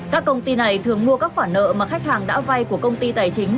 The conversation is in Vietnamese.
các công ty này thường mua các khoản nợ mà khách hàng đã vay của công ty tài chính